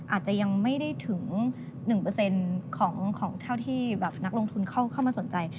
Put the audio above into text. อาจจะยังไม่ได้ถึง๑ของเท่าที่นักลงทุนเข้ามาสนใจ